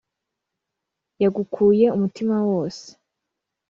yagukuye umutima wose